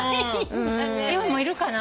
今もいるかな？